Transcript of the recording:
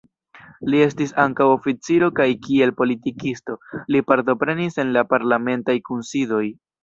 Li estis ankaŭ oficiro kaj kiel politikisto, li partoprenis en la parlamentaj kunsidoj.